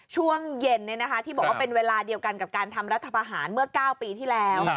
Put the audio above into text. ช่วงเย็นที่บอกว่าเป็นเวลาเดียวกันกับการทำรัฐประหารเมื่อ๙ปีที่แล้ว